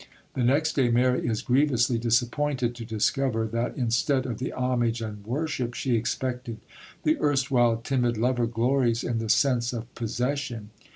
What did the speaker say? The next day Mary is grievously disappointed to discover that, instead of the homage and worship she expected, the erstwhile timid lover glories in the sense of possession.